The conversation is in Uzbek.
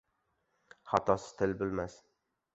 • Xatosiz til bo‘lmas.